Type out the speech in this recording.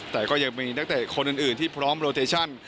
แต่ก็ยังมีนักเตะคนอื่นที่พร้อมโลเตชั่น